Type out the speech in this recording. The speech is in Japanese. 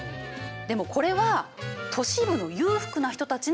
でもこれは都市部の裕福な人たちの話。